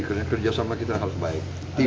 kerja sama kita harus baik